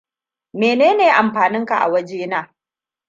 Mene ne amfaninka a waje na?